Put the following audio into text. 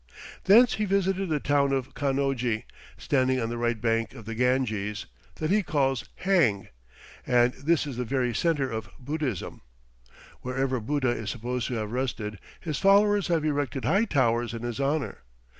Thence he visited the town of Kanoji, standing on the right bank of the Ganges, that he calls Heng, and this is the very centre of Buddhism. Wherever Buddha is supposed to have rested, his followers have erected high towers in his honour.